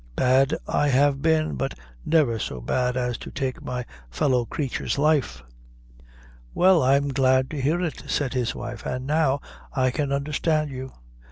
Bad I have been, but never so bad as to take my fellow crature's life." "Well, I'm glad to hear it," said his wife; "an' now I can undherstand you."